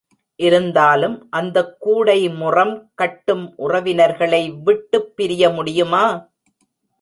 இருந்தாலும் அந்தக் கூடைமுறம் கட்டும் உறவினர்களை விட்டுப் பிரிய முடியுமா?